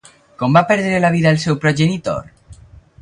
Com va perdre la vida el seu progenitor?